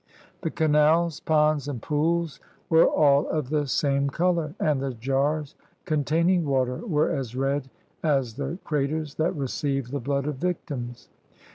The canals, ponds, and pools were all of the same color, and the jars containing water were as red as the craters that receive the blood of victims.